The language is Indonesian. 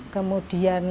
kemudian ke jawa tengah